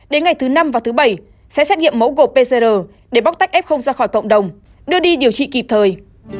đến ngày thứ năm và thứ bảy sẽ xét nghiệm mẫu gộp pcr để bóc tách f ra khỏi cộng đồng đưa đi điều trị kịp thời